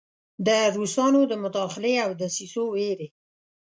د روسانو د مداخلې او دسیسو ویرې.